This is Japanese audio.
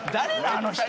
あの人。